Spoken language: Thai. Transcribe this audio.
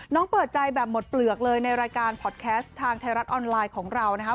เปิดใจแบบหมดเปลือกเลยในรายการพอดแคสต์ทางไทยรัฐออนไลน์ของเรานะคะ